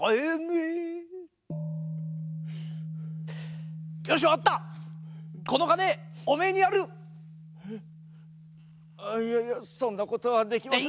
えっあっいやいやそんなことはできません。